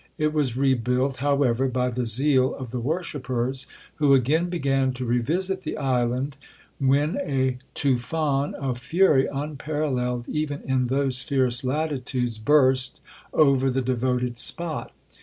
It was rebuilt, however, by the zeal of the worshippers, who again began to re visit the island, when a tufaun of fury unparalleled even in those fierce latitudes, burst over the devoted spot.